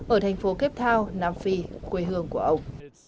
ở thành phố cape town nam phi quê hương của ông